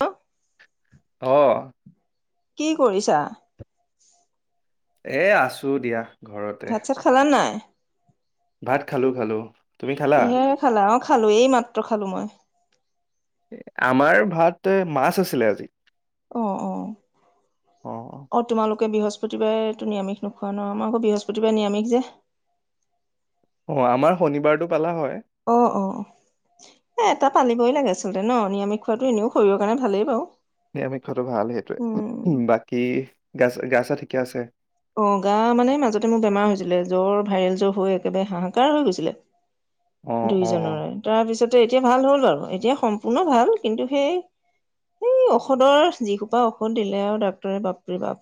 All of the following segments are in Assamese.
অ। [unintelligible] আহ। কি কৰিছা? এ আছো দিয়া ঘৰতে ভাত চাত খালানে নাই? ভাত খালোঁ খালোঁ। কিহে খালা? অঁ খালো, এই মাত্ৰ খালো মই। আমাৰ ভাত, মাছ আছিলে আজি। অ'অ। অ অ' তোমালোক কৈ বৃহস্পতিবাৰেতো নিৰামিষ নোখোৱা ন, আমাৰ আকৌ বৃহস্পতিবাৰে নিৰামিষ যে। অ' আমাৰ শনিবাৰটো পালা হয়। অ, অ অ, এটা পালিবই লাগে আচলতে ন, নিৰামিষ খোৱাাটো এনেও শৰীৰৰ কাৰণে ভালেই বাৰু। নিৰামিষটো ভাল সেইটোৱে, উম। বাকী গাছ গা চা ঠিকে আছে? অ গা মানে মাজতে মোৰ বেমাৰ হৈছিলে জ্বৰ, ভাইৰেল জ্বৰ হৈ একেবাৰে হাহাকাৰ হৈ গৈছিলে। অ দুই অ জনৰে, তাৰপিছত এতিয়া ভাল হ'ল আৰু এতিয়া সম্পূৰ্ণ ভাল কিন্তু সেই, এই ঔষধৰ যি সোপা ঔষধ দিলে আৰু ডক্তৰে বাপৰি বাপ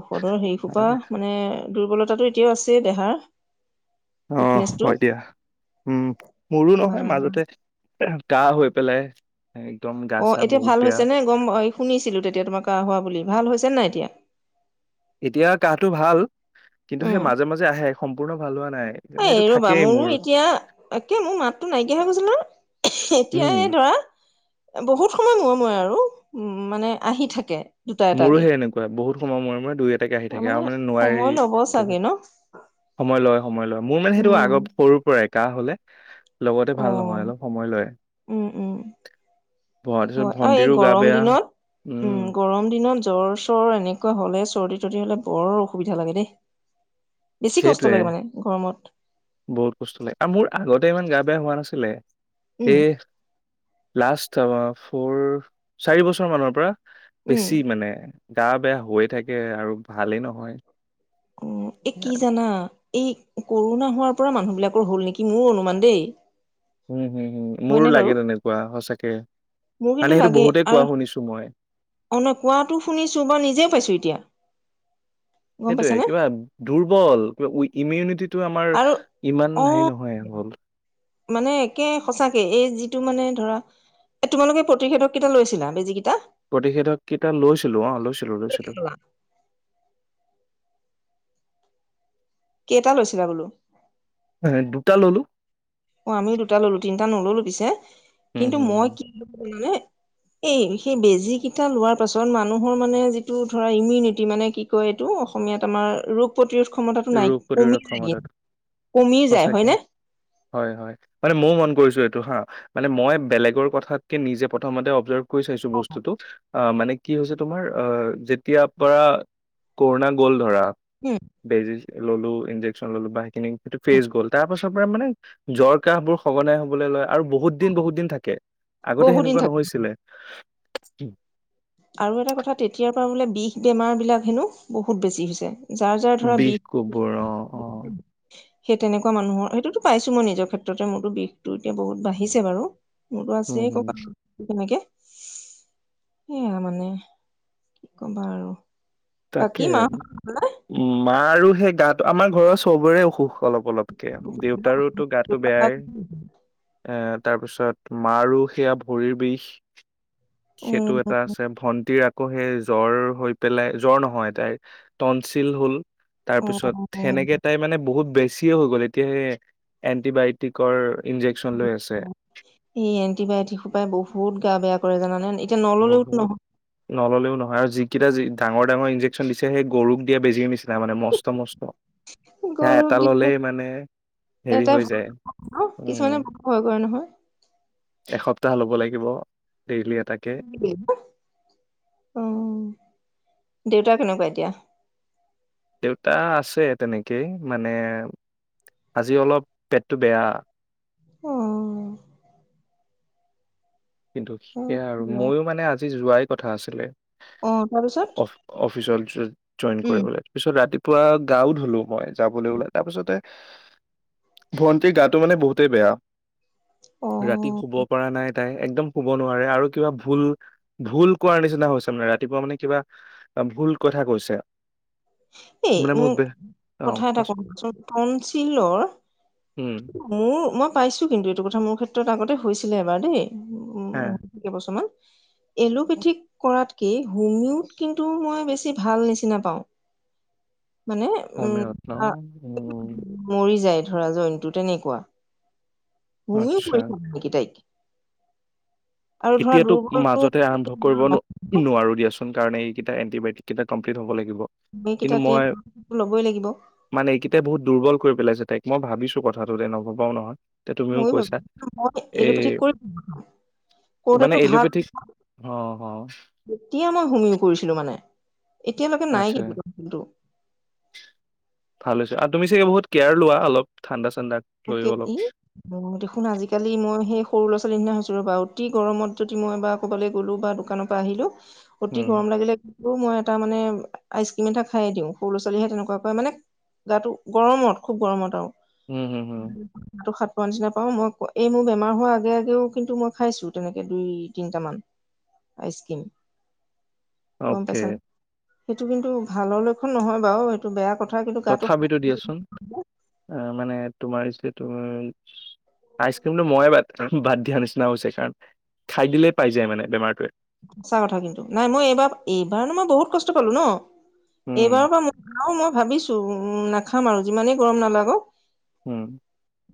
অফ। পদৰ অ হেৰিসোপা মানে দুৰ্বলতাটো এতিয়াও আছে দেহাৰ? অ উইকনেচটো হয় দিয়া, উম, মোৰো বা নহয় মাজতে কাহ হৈ পেলাই। একদম গা অ চা এতিয়া বহুত ভাল বেয়া হৈছে নে গম শুনিছিলো তেতিয়া তোমাৰ কাহ হোৱা বুলি ভাল হৈছে নাই? এতিয়া? এতিয়া কাহটো ভাল কিন্তু সেই মাজে মাজে আহে সম্প কোনো ভাল হোৱা নাই সেইকাৰণে এইটো এ ৰবা থাকেই মোৰ মোৰো এতিয়া, একে মোৰ মাততো নাইকিয়া হৈ গৈছিল নহয়, উম এতিয়াহে ধৰা বহুত সময় ম মই আৰু উম মানে আহি থাকে। দুটা মোৰো এটাকে সেই এনেকুৱা বহুত সময় মূৰে মূৰে দুই এটাকে আহি তাৰ থাকে আৰু মানে সময় নোৱাৰেই লব তাকে চাগে ন সময় লয় সময় মই লম মোৰ মানে সেইটো আগ উম সৰুৰ পৰাই কা হলে লগতে অ ভাল নহয় অলপ সময় লয় উম উম তাৰিছত হয় আৰু এই ভণ্টিৰো গা গৰম বেয়া দিনত উ উম গৰম দিনত জ্বৰ চৰ এনেকুৱা হলে চৰ্দি তৰ্দি হলে বৰ অসুবিধা লাগে দেই বেছি কষ্ট সেইটোয়ে লাগে মানে গৰমত বহুত কষ্ট লাগে আৰু মোৰ আগতে ইমান গা বেয়া হোৱা নাছিলে উম সেই লাষ্ট ফ'ৰ চাৰি বছৰ মানৰ পৰা উম বেছি মানে গা বেয়া হৈয়ে থাকে আৰু ভালেই নহয় উ এ কি জানা এই কৰোণা হোৱাৰ পৰা মানুহ বিলাকৰ হল নেকি মোৰ অনুমান দেই উম হয়নে বাৰু মোৰ মানে কিন্তু সেইটো লাগে বহুতে কোৱা আৰু শুনিছো মই অ ন কোৱাটো শুনিছো বা নিজে পাইছো এতিয়া গম সেইটোয়ে পাইছানে কিবা দুৰ্বল কিবা উ ইমিউনিটি টো আমাৰ আৰু ইমান অ হেৰি নহয় হ'ল মানে একে সঁচাকে এই যিটো মানে ধৰা এ তোমালোকে প্ৰতিষেধক কেইটা লৈছিলা বেজি কেইটা প্ৰতিষেধক কেইটা লৈছিলো অ লৈছিলো লৈছিলো। কেইটা লৈছিলা বোলো হে দুটা ললো অ আমিও দুটা ললো তিনিটা নললো পিছে হম কিন্তু হম মই হম কি [unintelligible] নে এই সেই বেজি কেইটা লোৱাৰ পাছত মানুহৰ মানে যিটো ধৰা ইমিউনিটি মানে কি কয় এইটো অসমীয়াত আমাৰ ৰোগ প্ৰতিৰোধ ক্ষমতাটো নাই ৰোগ কমি প্ৰতিৰোধ যায় কিন্ত ক্ষমতাটো কমি যায় হয় সঁচাকে নে হয় হয় মানে ময়ো মন কৰিছো এইটো হা মানে মই বেলেগৰ কথাতকে নিজে প্ৰথমতে অবজাৰ্ভ কৈ চাইছো বস্তুটো অ মানে কি হৈছে তোমাৰ অ যেতিয়াৰ পৰা কৰোণা গ'ল ধৰা উম বেজিছ ললো ইনজেক্সন ললো বা সেই এইটো ফেচ গল তাৰ পাছ মানে জ্বৰ কাহ বোৰ সঘনাই হবলৈ লয় আৰু বহুত দিন বহুত দিন থাকে আগতে বহু দিন সেনেকুৱা থাকে নহৈছিলে [unintelligible] আৰু এটা কথা তেতিয়াৰ পৰা বোলে বিষ বেমাৰ বিলাক হেনো বহুত বেছি হৈছে। যাৰ যাৰ ধৰা বিষ কোবৰ অ অ। সেই তেনেকুৱা মানুহৰ সেইটোতো পাইছো মই নিজৰ ক্ষেত্ৰতে মোৰতো বিষটো এতিয়া বহুত বাঢ়িছে বাৰু। মোৰতো উম আছে ক হম কা কেনেকে। সেয়া মানে কি কবা আৰু। বাকী তাকে মা উম মা। আৰু সেই গাটো আমাৰ ঘৰৰ চবৰে অসুখ। অলপ অলপকে দেউতাৰোতো গাটো বেয়াই এ। তাৰপিছত মাৰো সেয়া ভৰিৰ বিষ। উম সেইটো এটা আছে ভন্টিৰ আ। আকৌ সেই জ্বৰ হৈ পেলাই। জ্বৰ নহয় তাইৰ তটনচিল হ'ল। তাৰ অ পিছত অ'। সেনেকে তাই মানে বহুত বেছি। কিয় হৈ গ'ল এতিয়া সেই এণ্টিবায়টিকৰ। ইনজেকচন লৈ আছে এই এন্টিবায়টিক সোপাই বহুত গা বেয়া কৰে জানা। বহুত নললেও নহয় আৰু যিকেইটা যি। ডাঙৰ ডাঙৰ ইঞ্জকেচন দিছে সেই গৰুক। এয়া বেজিৰ নিচিনা মানে মস্ত মস্ত সেয়া গৰুক এটা দি ললেই মানে হেৰি এটাই হৈ ভয় যায় ন উম। কিছুমানে বহুত ভয় কৰে নহয় এসপ্তাহ ল'ব লাগিব ডেইলি এ। অ। দেউতা কেনেকুৱা এতিয়া? দেউতা আছে তেনেকেই মানে আজি অলপ পেটটো বেয়া। অ। কিন্তু সেয়া আৰু মইয়ো মানে আজি যোৱাইত কথা আছিলে। অ তাৰপিছত অ অফিচত জইন উম কৰিবলে পিছত ৰাতিপ পুৱখ গাও ধোলো মই। যাবলে উলালো তাৰ পিছতে ভন্টীৰ গাটো মানে বহুতেই বেয়া। অ ৰাতি শুব পৰা নাই তাই একদম শুব নোৱাৰে আৰু কিবা ভুল-ভুল কৰোৱাৰ নিচিনা হৈছে মানে ৰাতিপুৱা মানে কিবা ভুল কথা কৈছে। এই মানে মোৰ মোক বে অ কথা এটা কোৱাচোন কবচোন টঞ্চিলৰ উম মোৰ মই। পাইছোঁ কিন্তু এইটো কথা মোৰ ক্ষেত্ৰত আগতে হৈছিলে এবাৰ দেই। হে উম, কেই বছৰমান। এলোপেথিক কৰাতকে হোমওত কিন্তু মই বেছি ভাল নিচিনা পাওঁ। মানে সমীৰত ন উম, উম মৰি যায়। ধৰা জৈনটো তেনেকুৱা। মুনো আচ্ছা কৰিছিল নেকি তাইক, আৰু ধৰা এতিয়াতো দুৰ্বলটো মাজতে আৰম্ভ কৰিব নোৱাৰো দিয়াচোন কাৰণে কেইটাএটিবায়টিক এতিয়া কমপ্লিট হব লাগিব। এইকেইটা কিন্ত তেল মই ল'বই লাগিব মানে এইকেতা বহুত দুৰ্বল কৰি পেলাইছে তাইক মই ভাবিছো কথাটোতে নভবাও নহয়। তে তুমিও ময়ো ভাব কৈছা মই এই এলোপেথিক কৰি খাম। মানে কৰোতেতো ভাল এলোপেথিক নহয় অ অ যেতিয়া মই হুমিও কৰিছিলো মানে। ে [inaudible] এতিয়ালৈকে নাই আচ্ছা কিন্তু [unintelligible] ভাল হৈছে আৰু তুমি চাগে বহুত কেয়াৰ লোৱা অলপ ঠাণ্ডা চাণ্ডাক লৈও অলপ [unintelligible] উম দেখোন আজিকালি মই সেই সৰু ল'ৰা ছোৱালীৰ নিচিনা হৈছ ছো ৰ'ব অতি গৰমত যদি মই এবাৰ কবালৈ গ'লোঁ বা দোকানৰ পৰা আহিলোঁ অতি উম গৰম লাগিলে মই এটা মানে আইচ ক্ৰীম এটা খাই দিওঁ সৰু ল' ছোৱালীহে তেনেকুৱা কয় মানে গাটো গৰমত খুব গৰমত আও উম হম হম [unintelligible] সৰু নিচিনাই পাঁও মই এই মোৰ বেমাৰ হোৱাৰ আগে আগেও কিন্তু মই খাইছো তেনেকে দুই তিনিটামান আইচক্ৰীম গম অকে পাইছা নে সেইটো কিন্তু ভালৰ লক্ষণ নহয় বাৰু এইেই বেয়া, কথা কিন্তু গাটো তথাপিতো দিয়াচোন অঁ মানে তোমাৰিছে তোমাৰ আইচক্ৰীমটো ময়ে বাট বাদ দিয়া নিচিনা হৈছে কাৰণ খাই দিলেই পাই যায় মানে বেমাৰটোৱে সঁচা কথা কিন্তু নাই মই এইবাৰ এইবাৰো মই বহুত কষ্ট পালো ন উম এইবাৰৰ পৰা মই অ' মই ভাবিছো উম নাখাম আৰু যিমানেই গৰম নালাগক উম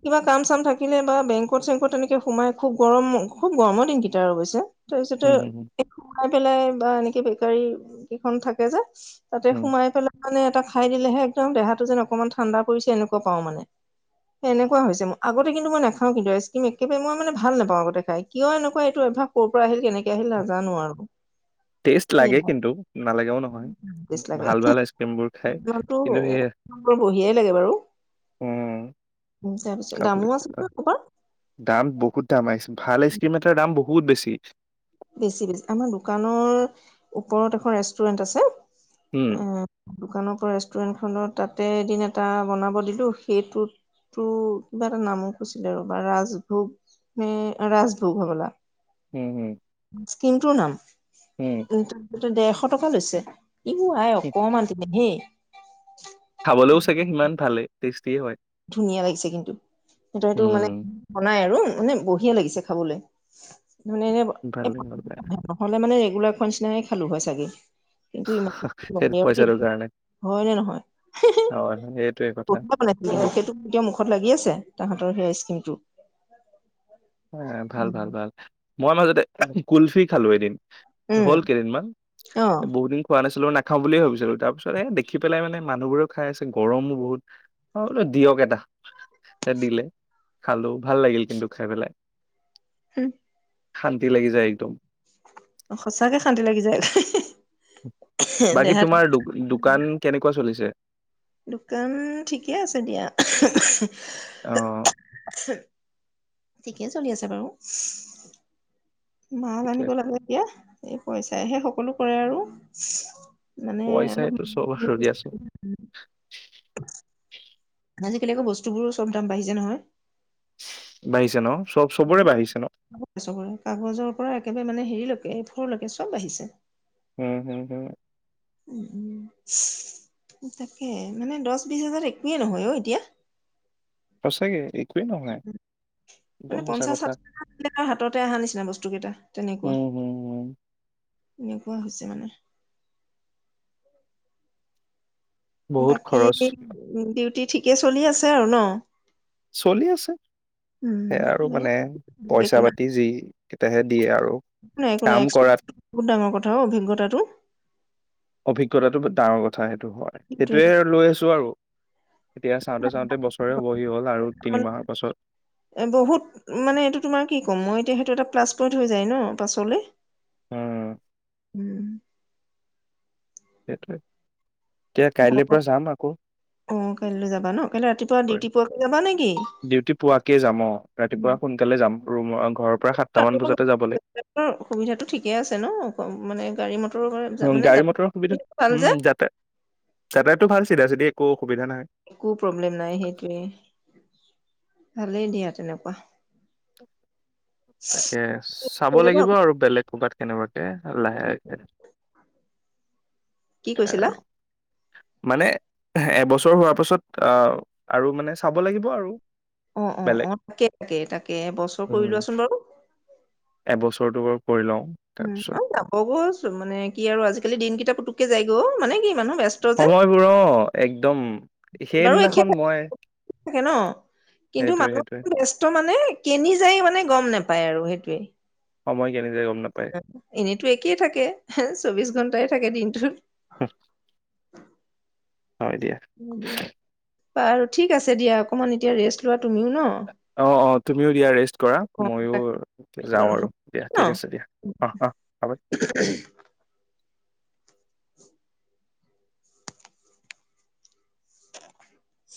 কিবা কাম চাম থাকিলে বা বেংকত চেংকত তেনেকে সোমাই খুব গৰম খুব গৰমৰ দিনকেইটা আৰু অৱশ্যে, তাৰপিছতে, উম হম হম [inaudible] পেলাই বা এনেকে বেকাৰী কেইখন থাকে যে তাতে উম সোমাই পেলাই, মানে এটা খাই দিলেহে একদম দেহাতটো যেন অকনমান ঠাণ্ডা পৰিছে, এনেকুৱা পাওঁ মানে এনেকুৱা হৈছে মোৰ আগতে কিন্তু মই নাখাও কিন্তু আইচক্ৰীম একেবাৰে মই মানে ভাল নাপাওঁ, আগতে খাই কিয় এনেকুৱা এইটো অভ্যাস ক' পৰা আহিল কেনেকে আহিল। জানো আৰু টেষ্ট লাগে কিন্তু নালাগেও নহয় বেচ লাগে ভাল, ভাল আইচক্ৰীমবোৰ খায় ইমানতো কিন্তু সেই বঢ়িয়াই লাগে বাৰু উ'ম- তাৰপিছত দামো খাবলে আছে নহয় ক'ৰবাত দাম বহুত দাম আহিছিল। ভাল আইচক্ৰীম এটাৰ দাম বহুত বেছি। [unintelligible] বেছি বেছি আমাৰ দোকানৰ ওপৰত এখন ৰেষ্টুৰেণ্ট আছে। উম অ', দোকানৰ ৰেষ্টুৰেন্ট খনৰ তাতে এদিন এটা বনাব দিলো, সেইটোতো কিবা এটা নামো কৈছিলে আৰু বা ৰাজভোগ নে ৰাজভোগ হ'বলা। উ'ম হু'ম আইচক্ৰিমটোৰ নাম [unintelligible] ডেৰশ টকা লৈছে। ই আই অকমান দিল হেই। খাবলৈওঁ চাগে সিমান ভালেই- টেষ্টিয়ে হয়। ধুনীয়া লাগিছে কিন্তু সেইটো, সেইটো মানে উম বনাই আৰু মানে বঢ়িয়া লাগিছে খাবলে। [unintelligible] ভালে ভালে এই গুলাৰৰ নিচিনাই খালোঁ হয়, ছাগে কিন্তু ইমান সেই পইচাটোৰ [unintelligible] কাৰণে হয় নে নহয়। হয় হয়, সেইটোৱে কথা মোক সেইটো এতিয়া মুখত লাগি আছে তাহতৰ সেই আইচ্ ক্ৰিমটো হয় ভাল, ভাল, ভাল। মই মাজতে কুলফি খালো এদিন উম, হ'ল কেইদিনমান অ', বহুদিন খোৱা নাছি নাখাওঁ বুলিয়ে ভাবিছিলো, তাৰ পিছত এ দেখি পেলাই মানে মানুহবোৰে খাই আছে গৰমো বহুত, অ বোলো দিয়ক এটা, দিলে খালো ভাল লাগিল কিন্তু খাই পেলাই। হু'ম। শান্তি লাগি যায় একদম। সঁচাকে শান্তি লাগি যায়। বাকী দেহাত তোমাৰ দোকান কেনেকুৱা চলিছে? দোকান ঠিকে আছে দিয়া। অ'। [unintelligible] ঠিকেই চলি আছে বাৰু। মাল ঠিকে আনিব আছে। লাগে এতিয়া। এই পইচাই সে সকলো কৰে আৰু। মানে অলপ পইচাইটো চব, সজি আছোঁ। আজিকালি আকৌ বস্তুবোৰো চব দাম বাঢ়িছে নহয়। বাঢ়িছে ন? চব চবৰে বাঢ়িছে ন? চবৰে কাগজৰ পৰা একেবাৰে মানে হেৰিলৈকে, এফৰলৈকে চব বাহিছে। হম, হম, হম। উম' উম' তাকে, মানে দহ বিশ হাজাৰ একোৱে নহয় অ এতিয়া। সঁচাকে এক একোৱেই নহয় একদম মানে সঁচা কথা। পঞ্চাশষাঠিশ হাততে অহা নিচিনা বস্তুকেইটা তেনেকুৱা উম, হুম, হুম। এনেকুৱা হৈছে মানে বহুত বাকি খৰচ। উম ডিউটি ঠিকে চলি আছে আৰু ন চলি আছে সেই আৰু উম মানে পইচা একো নাই পাতি যি কেতিয়াবা দিয়ে আৰু একো নাই একো নাই কাম কৰাত এক্সপ্ৰিযেন্সটো বহুত ডাঙৰ কথা অ অভিজ্ঞতাটো ঠাক সেইটো হয় সেইটোৱে সেইটোয়ে লৈ আছো আৰু এতিয়া চাওঁতে চাওঁতে বছৰে হব হি হ'ল আৰু তিনি মাহৰ পাছত। এ বহুত মানে এইটো তোমাৰ কি ক'ম মই এতিয়া সেইটো এটা প্লাছ পইন্ট হৈ যায় ন পাছলৈ উম উম সেইটোৱেই এতিয়া কাইলে পৰা ঘৰত যাম আকৌ অ কাইলৈ যাবা ন কাইলৈ ৰাতিপুৱা ডিউটি পোৱাকে যাবা নেকি? ডিউটি পোৱাকে যাম অঁ ৰাতিপুৱা সোনকালে যাম ৰুম পাম সুবিধাটো ঠিকে আছে ন মানে গাড়ী মটৰ মানে গাড়ী যা- মটৰৰ সুবিধাটো ভাল উম যে যাতায়ত যাতায়তটো ভাল কিবা যদি একো অঁ একো প্ৰব্লেম নাই সেইতোৱেই ভালেই দিয়া তেনেকুৱা তাকে চাব কেতিয়াবা লাগিব আৰু বেলেগ ক'বাত কেনেবাকে অঁ লাহেকে কি কৈছিলা? মানে, এবছৰ হোৱাৰ পাছত আঁ আৰু মানে চাব লাগিব আৰু। অঁ অঁ বেলেগ অঁ তাকে তাকে, তাকে এবছৰ উম কৰি লোৱাচোন বাৰু। এবছৰটো বাৰু কৰি লওঁ উম, তাৰপিছত আও যাব গৌচ মানে কি আৰু আজিকালি দিনকেইটা পুটুককে যায়গে অঁ মানে কি মানুহ ব্যস্ত যে। সময়বোৰ অ একদম বাৰু সেইদিনাখন এখেতে মই থাকে ন। কিন্তু সেইটোৱে সেইটোৱে মানুহটো ব্যস্ত মানে কেনি যায় মানে গম নোপায় আৰু সেইটো ওঁ সময় কেনেদৰে গ'ল? অঁ এনেইটো একেই থাকে হেঁ চৌবিশ ঘন্টাই। থাকে দিনটো উম উম দিয়া। বাৰু ঠিক আছে দিয়া। অকণমান এতিয়া ৰেষ্ট লোৱা। তুমিও ন অঁ অঁ তুমিও দিয়া ৰেষ্ট কৰা। অ ময়ো তাকে যাওঁ বাৰু আৰু হ'ব দিয়া ঠিক ন আছে দিয়া। অহ অহ হ'ব। [unintelligible]